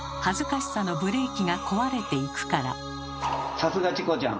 さすがチコちゃん！